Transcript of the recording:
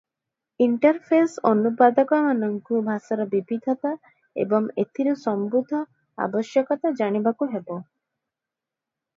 Interface ଅନୁବାଦକମାନଙ୍କୁ ଭାଷାର ବିବିଧତା ଏବଂ ଏଥିରୁ ସମ୍ଭୂତ ଆବଶ୍ୟକତା ଜାଣିବାକୁ ହେବ ।